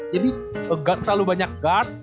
jadi terlalu banyak guard